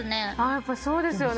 やっぱりそうですよね。